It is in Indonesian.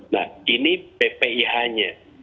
nah ini ppih nya